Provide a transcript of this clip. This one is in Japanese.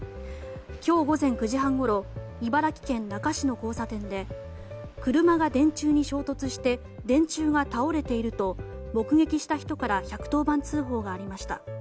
今日午前９時半ごろ茨城県那珂市の交差点で車が電柱に衝突して電柱が倒れていると目撃した人から１１０番通報がありました。